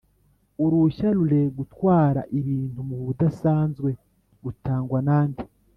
Uruhushya ruregutwara ibintu mubudasanzwe rutangwa nande